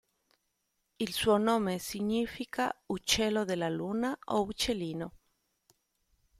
Il suo nome significa "uccello della luna" o "uccellino".